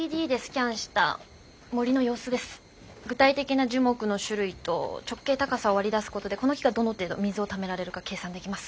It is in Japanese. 具体的な樹木の種類と直径高さを割り出すことでこの木がどの程度水をためられるか計算できます。